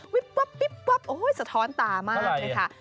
วิบวับโอ้โหสะท้อนตามากเลยค่ะ